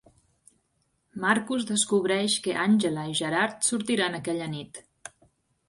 Marcus descobreix que Àngela i Gerard sortiran aquella nit.